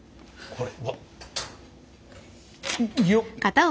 これ。